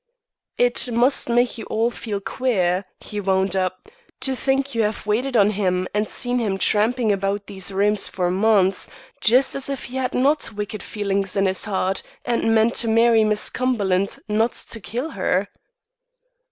"It must make you all feel queer," he wound up, "to think you have waited on him and seen him tramping about these rooms for months, just as if he had no wicked feelings in his heart and meant to marry Miss Cumberland, not to kill her."